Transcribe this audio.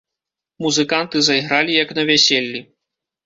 Музыканты зайгралі, як на вяселлі.